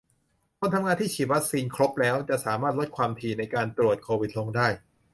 คนทำงานที่ฉีดวัคซีนครบแล้ว จะสามารถลดความถี่ในการตรวจโควิดลงได้